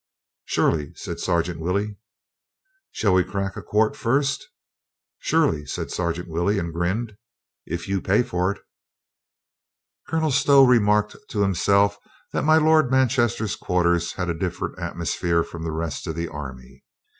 "Surely," said Sergeant Willey. "Shall we crack a quart first?" "Surely," said Sergeant Willey and grinned. "If you pay for it." Colonel Stow remarked to himself that my Lord Manchester's quarters had a different atmosphere from the rest of the army.